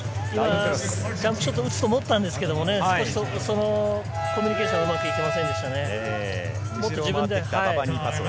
ジャンプショットを打つと思ったんですが、そのコミュニケーションがうまくいきませんでしたね。